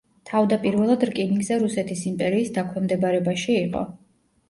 თავდაპირველად რკინიგზა რუსეთის იმპერიის დაქვემდებარებაში იყო.